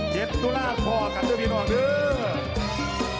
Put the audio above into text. เจ็บดูล่าควอกันเตอร์วีนออเดอร์